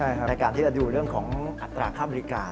ในการที่จะดูเรื่องของอัตราค่าบริการ